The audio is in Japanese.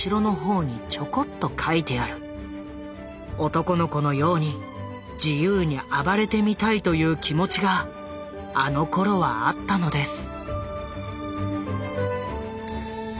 男の子のように自由に暴れてみたいという気持ちがあのころはあったのです」。